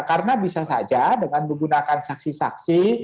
karena bisa saja dengan menggunakan saksi saksi